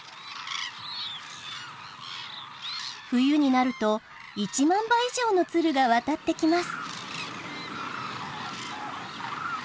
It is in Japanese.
冬になると１万羽以上の鶴が渡ってきます。